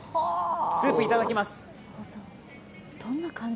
スープいただきます。